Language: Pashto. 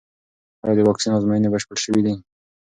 ایا د واکسین ازموینې بشپړې شوې دي؟